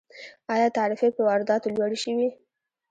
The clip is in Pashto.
آیا تعرفې په وارداتو لوړې شوي؟